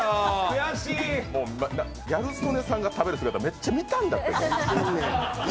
ギャル曽根さんが食べる姿めっちゃ見たんだって。